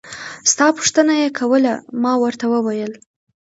ستا پوښتنه يې کوله ما ورته وويل.